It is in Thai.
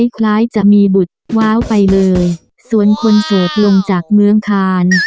คล้ายจะมีบุตรว้าวไปเลยส่วนคนโสดลงจากเมืองคาน